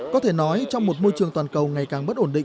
có thể nói trong một môi trường toàn cầu